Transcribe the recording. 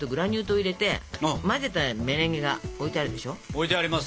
置いてあります。